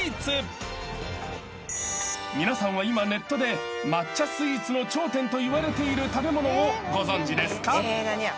［皆さんは今ネットで抹茶スイーツの頂点といわれている食べ物をご存じですか？］